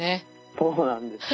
そうなんですよ。